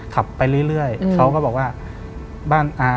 ขับไปเรื่อยเขาก็บอกว่า